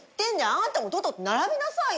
あんたもとっとと並べなさいよ。